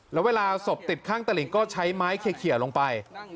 และเวลาศพติดข้างธรรมศก็ใช้ไม้คิ่อยลงไป